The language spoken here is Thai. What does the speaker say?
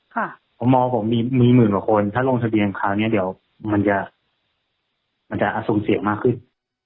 เพราะมผมมีหมื่นกว่าคนถ้าโรงทักเรียนคราวนี้เดี๋ยวมันจะอสมเสียมากขึ้น